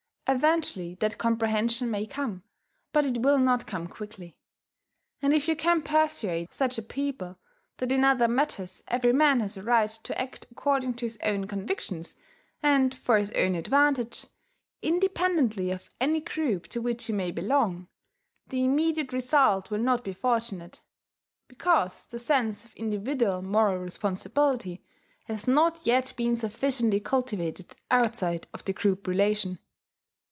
Eventually that comprehension may come; but it will not come quickly. And if you can persuade such a people that in other matters every man has a right to act according to his own convictions, and for his own advantage, independently of any group to which he may belong, the immediate result will not be fortunate, because the sense of individual moral responsibility has not yet been sufficiently cultivated outside of the group relation.